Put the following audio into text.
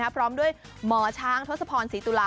พร้อมด้วยหมอช้างทศพรศรีตุลา